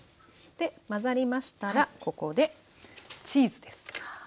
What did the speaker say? で混ざりましたらここでチーズです。